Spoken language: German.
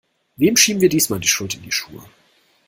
Wem schieben wir diesmal die Schuld in die Schuhe?